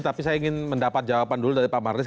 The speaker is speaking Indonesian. tapi saya ingin mendapat jawaban dulu dari pak marlis